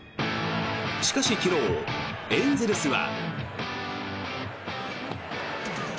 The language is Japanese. しかし、昨日エンゼルスは。